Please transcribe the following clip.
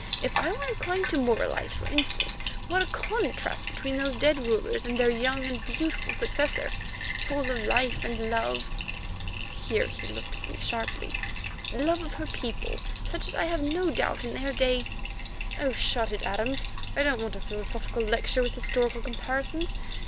If I were inclined to moralize, for instance, what a contrast between those dead rulers and their young and beautiful successor, full of life and love"—here he looked at me sharply—"love of her people, such as I have no doubt in their day——" "Oh, shut it, Adams! I don't want a philosophical lecture with historical comparisons.